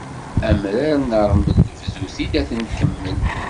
Amrar n ṛṛmel bdu-t-id ad t-nkemmel!